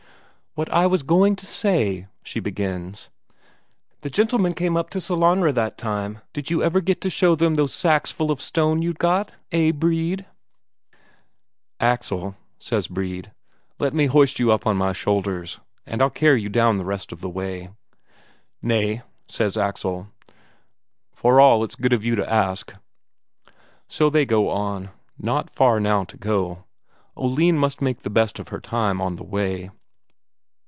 "What I was going to say," she begins: "They gentlemen came up to Sellanraa that time; did you ever get to show them all those sacks of stone you'd got, eh, Brede?" "Axel," says Brede, "let me hoist you on my shoulders, and I'll carry you down rest of the way." "Nay," says Axel. "For all it's good of you to ask." So they go on; not far now to go. Oline must make the best of her time on the way.